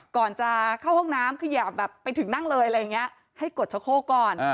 ก่อนจะเข้าห้องน้ำคืออย่าแบบไปถึงนั่งเลยอะไรอย่างนี้ให้กดชะโคกก่อน